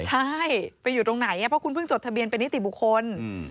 ใช่ไปอยู่ตรงไหนเพราะคุณเพิ่งจดทะเบียนเป็นนิติบุคคล